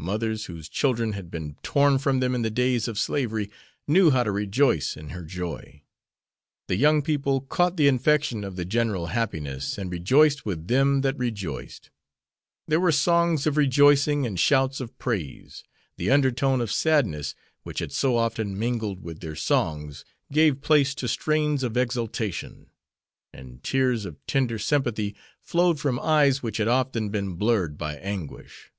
Mothers whose children had been torn from them in the days of slavery knew how to rejoice in her joy. The young people caught the infection of the general happiness and rejoiced with them that rejoiced. There were songs of rejoicing and shouts of praise. The undertone of sadness which had so often mingled with their songs gave place to strains of exultation; and tears of tender sympathy flowed from eyes which had often been blurred by anguish.